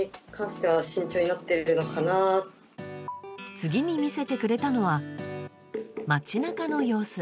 次に見せてくれたのは街中の様子。